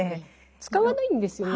使わないんですよね。